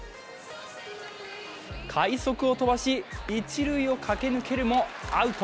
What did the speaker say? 快足を飛ばし、一塁を駆け抜けるもアウト。